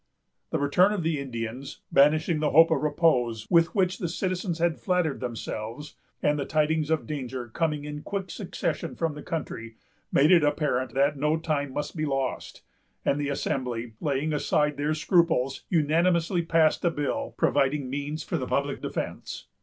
The return of the Indians, banishing the hope of repose with which the citizens had flattered themselves, and the tidings of danger coming in quick succession from the country, made it apparent that no time must be lost; and the Assembly, laying aside their scruples, unanimously passed a bill providing means for the public defence.